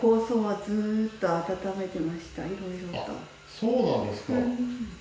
そうなんですか。